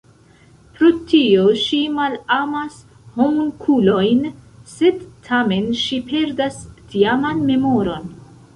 Pro tio ŝi malamas homunkulojn, sed tamen ŝi perdas tiaman memoron.